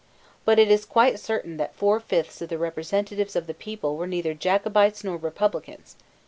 But it is quite certain that four fifths of the representatives of the people were neither Jacobites nor republicans.